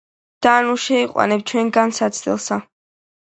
და ნუ შემიყვანებ ჩუენ განსაცდელსა